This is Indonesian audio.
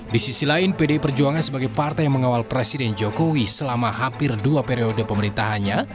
di sisi lain pdi perjuangan sebagai partai yang mengawal presiden jokowi selama hampir dua periode pemerintahannya